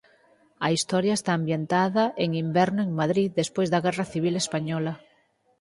A historia está ambientada en inverno en Madrid despois da guerra civil española.